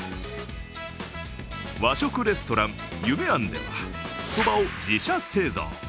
和食レストラン夢庵ではそばを自社製造。